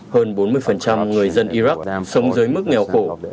hơn bốn mươi người dân iraq sống dưới mức nghèo cổ